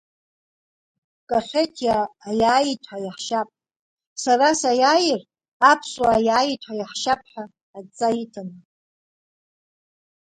Кахеҭиа аиааит ҳәа иаҳшьап, сара саиааир аԥсуаа аиаиит ҳәа иаҳшьап ҳәа адҵа иҭаны.